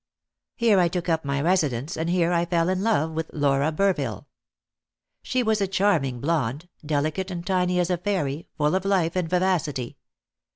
Here I took up my residence, and here I fell in love with Laura Burville. She was a charming blonde, delicate and tiny as a fairy, full of life and vivacity.